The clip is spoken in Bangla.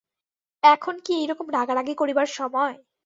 এখন কি এইরকম রাগারাগি করিবার সময়!